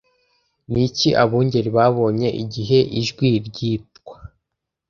ni iki abungeri babonye igihe ijwi ryitwa